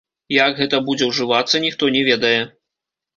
Як гэта будзе ўжывацца, ніхто не ведае.